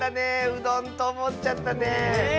うどんとおもっちゃったね。